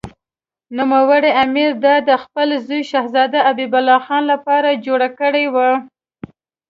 نوموړي امیر دا د خپل زوی شهزاده حبیب الله خان لپاره جوړه کړې وه.